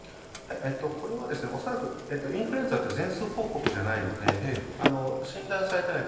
これは恐らく、インフルエンザって全数報告じゃないので、診断されていない